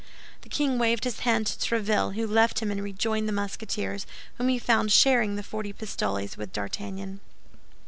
The king waved his hand to Tréville, who left him and rejoined the Musketeers, whom he found sharing the forty pistoles with D'Artagnan.